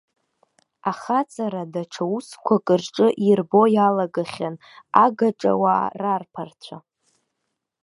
Ахаҵара даҽа усқәак рҿы ирбо иалагахьан агаҿа-уаа рарԥарцәа.